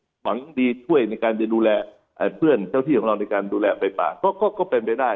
ซึ่งหวังดีถ้ายิงการไปดูแลผู้บ้านเพื่อนถ้าที่ของเราดูแลไปต่างก็เป็นไปได้